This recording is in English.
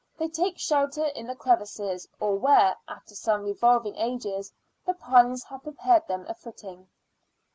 They take shelter in the crevices, or where, after some revolving ages, the pines have prepared them a footing.